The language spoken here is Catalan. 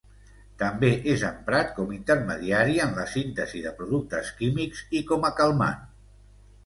També és emprat com intermediari en la síntesi de productes químics i com a calmant.